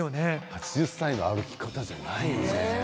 ８０歳の歩き方ではないですよね。